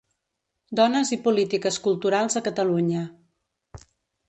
Dones i polítiques culturals a Catalunya.